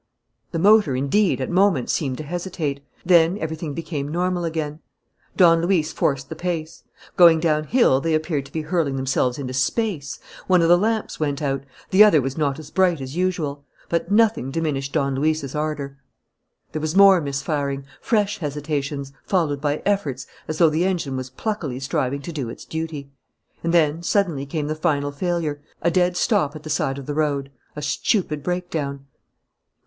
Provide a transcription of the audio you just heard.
The motor, indeed, at moments seemed to hesitate. Then everything became normal again. Don Luis forced the pace. Going downhill they appeared to be hurling themselves into space. One of the lamps went out. The other was not as bright as usual. But nothing diminished Don Luis's ardour. There was more misfiring, fresh hesitations, followed by efforts, as though the engine was pluckily striving to do its duty. And then suddenly came the final failure, a dead stop at the side of the road, a stupid breakdown.